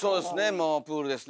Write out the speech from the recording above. もうプールですね。